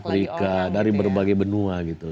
dari eropa afrika dari berbagai benua gitu